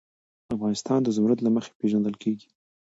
افغانستان د زمرد له مخې پېژندل کېږي.